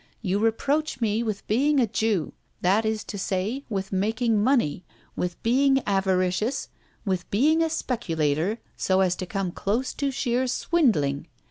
You reproach me with being a Jew that is to say, with making money, with being avaricious, with being a speculator, so as to come close to sheer swindling.